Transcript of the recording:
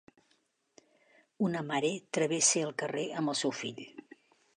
Una mare travessa el carrer amb el seu fill.